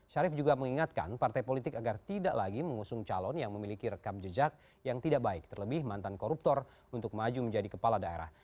syarif juga mengingatkan partai politik agar tidak lagi mengusung calon yang memiliki rekam jejak yang tidak baik terlebih mantan koruptor untuk maju menjadi kepala daerah